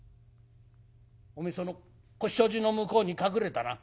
おめえその障子の向こうに隠れたな？